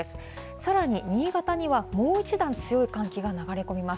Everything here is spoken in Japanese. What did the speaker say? さらに新潟にはもう一段強い寒気が流れ込みます。